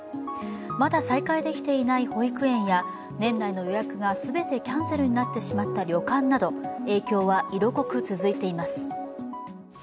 まだ再開できていない保育園や年内の予約が全てキャンセルになってしまった旅館など影響は色濃く続いています。